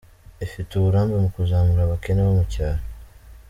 Ifite uburambe mu kuzamura abakene bo mu cyaro.